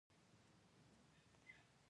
پنېر له پسه، بزه یا غوا شیدو جوړېږي.